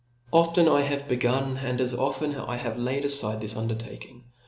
Often have I begun, and as ofteft have I laid afide this undertaking.